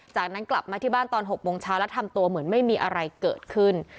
จากนั้นกลับมาที่บ้านตอน๖โมงเช้าแล้วทำตัวเหมือนไม่มีอะไรเกิดขึ้น